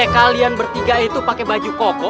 kalian bertiga itu pakai baju koko